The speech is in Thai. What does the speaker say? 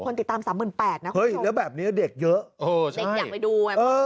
โอ้โหแล้วแบบนี้เด็กเยอะโอ้ใช่เด็กเยอะเด็กอยากไปดู